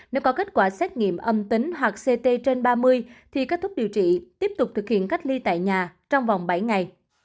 nếu có kết quả xét nghiệm âm tính hoặc ct trên ba mươi thì kết thúc điều trị tiếp tục thực hiện cách ly tại nhà trong vòng bảy ngày